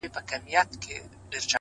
تا ولي په مسکا کي قهر وخندوئ اور ته’